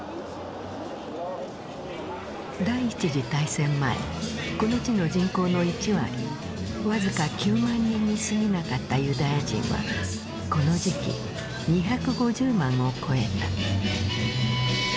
第一次大戦前この地の人口の１割僅か９万人にすぎなかったユダヤ人はこの時期２５０万を超えた。